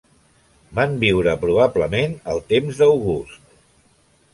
Van viure probablement al temps d'August.